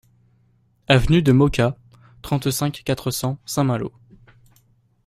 Avenue de Moka, trente-cinq, quatre cents Saint-Malo